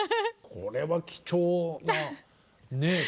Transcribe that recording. これは貴重なね